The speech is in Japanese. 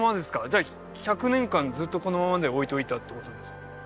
じゃあ１００年間ずっとこのままで置いといたってことですか？